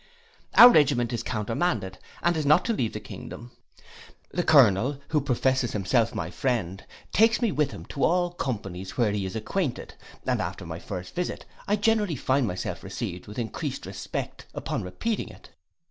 Our regiment is countermanded and is not to leave the kingdom; the colonel, who professes himself my friend, takes me with him to all companies where he is acquainted, and after my first visit I generally find myself received with encreased respect upon repeating it.